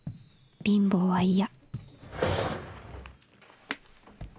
貧乏は嫌」。